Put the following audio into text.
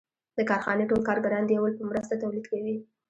د کارخانې ټول کارګران د یو بل په مرسته تولید کوي